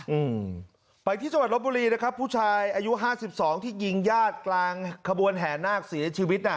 อืมไปที่จังหวัดลบบุรีนะครับผู้ชายอายุห้าสิบสองที่ยิงญาติกลางขบวนแห่นาคเสียชีวิตน่ะ